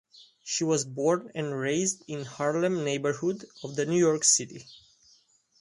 She was born and raised in the Harlem neighborhood of the New York City.